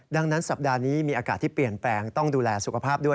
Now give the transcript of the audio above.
ดังนั้นสัปดาห์นี้มีอากาศที่เปลี่ยนแปลงต้องดูแลสุขภาพด้วย